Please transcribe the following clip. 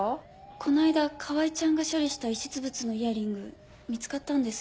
この間川合ちゃんが処理した遺失物のイヤリング見つかったんです。